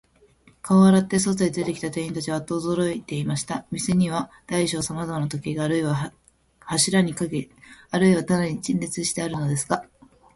顔を洗って、店へ出てきた店員たちは、アッとおどろいてしまいました。店には大小さまざまの時計が、あるいは柱にかけ、あるいは棚に陳列してあるのですが、